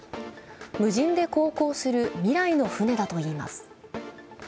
無人で航行する未来の船だといいます。